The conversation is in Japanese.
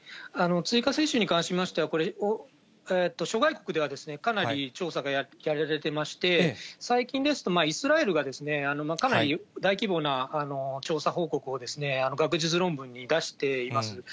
追加接種に関しましては、これ、諸外国では、かなり調査がやられてまして、最近ですとイスラエルがかなり大規模な調査報告を学術論文に出しています。